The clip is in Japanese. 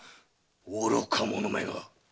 愚か者めが！